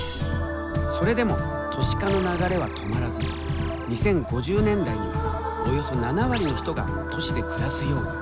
それでも都市化の流れは止まらず２０５０年代にはおよそ７割の人が都市で暮らすように。